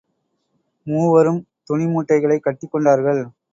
மூவரும் துணி மூட்டைகளைக் கட்டிக் கொண்டார்கள்.